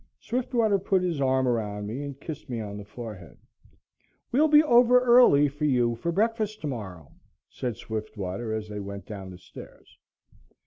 Swiftwater put his arm around me and kissed me on the forehead. "We'll be over early for you for breakfast tomorrow," said Swiftwater as they went down the stairs.